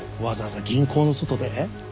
わざわざ銀行の外で？